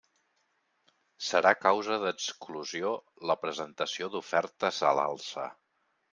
Serà causa d'exclusió la presentació d'ofertes a l'alça.